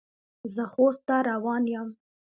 زه خوست ته روان یم.